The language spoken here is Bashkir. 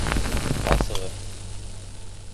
Ҡасығыҙ!